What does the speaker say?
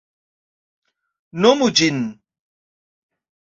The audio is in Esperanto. Nomu ĝin.